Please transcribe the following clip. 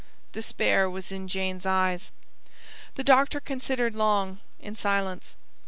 Despair was in Jane's eyes. The doctor considered long, in silence.